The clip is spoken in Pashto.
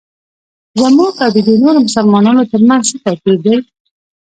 زموږ او ددې نورو مسلمانانو ترمنځ څه توپیر دی.